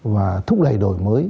và thúc đẩy đổi mới